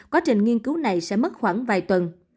quá trình nghiên cứu này sẽ mất khoảng vài tuần